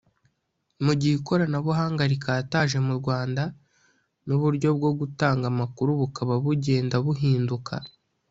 Mu gihe ikoranabunga rikataje mu Rwanda n’uburyo bwo gutanga amakuru bukaba bugenda buhinduka